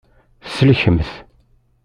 Tselkemt.